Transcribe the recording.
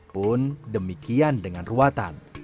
pun demikian dengan ruatan